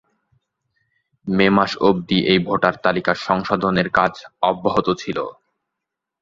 মে মাস অব্দি এই ভোটার তালিকা সংশোধনের কাজ অব্যাহত ছিল।